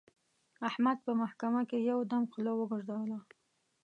احمد په محکمه کې یو دم خوله وګرځوله.